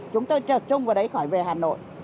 chúng tôi trở trung vào đấy khỏi về hà nội